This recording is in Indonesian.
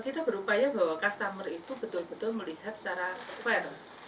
kita berupaya bahwa customer itu betul betul melihat secara fair